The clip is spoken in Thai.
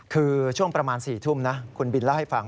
คือช่วงประมาณ๔ทุ่มนะคุณบินเล่าให้ฟัง